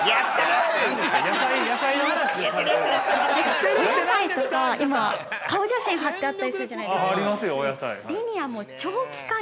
◆お野菜とか今、顔写真が貼ってあったりするじゃないですか。